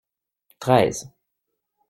Treize.